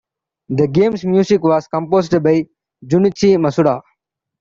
The game's music was composed by Junichi Masuda.